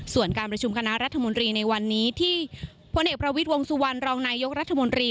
ส่วนการประชุมคณะรัฐมนตรีในวันนี้ที่พลเอกประวิทย์วงสุวรรณรองนายกรัฐมนตรี